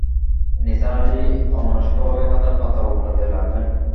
নিসার আলি অন্যমনস্কভাবে খাতার পাতা ওন্টাতে লাগলেন।